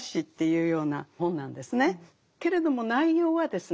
けれども内容はですね